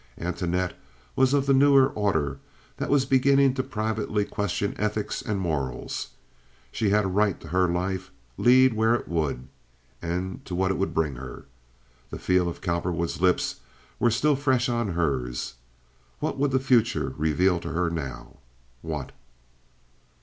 Antoinette was of the newer order that was beginning to privately question ethics and morals. She had a right to her life, lead where it would. And to what it would bring her. The feel of Cowperwood's lips was still fresh on hers. What would the future reveal to her now? What?